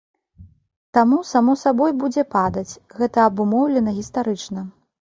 Таму само сабой будзе падаць, гэта абумоўлена гістарычна.